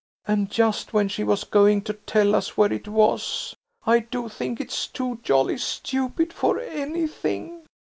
And just when she was going to tell us where it was. I do think it's too jolly stupid for anything."